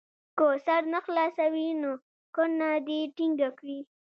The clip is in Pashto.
که سر نه خلاصوي نو کونه دې ټینګه کړي.